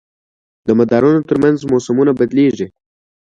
د مدارونو تر منځ موسمونه بدلېږي.